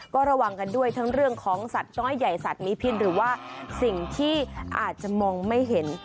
ก็ระวังกันด้วยทั้งเรื่องของสัตว์น้อยใหญ่สัตว์มีพิษหรือว่าสิ่งที่อาจจะมองไม่เห็น